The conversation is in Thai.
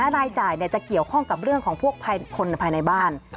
รายจ่ายจะเกี่ยวข้องกับเรื่องของพวกคนภายในบ้าน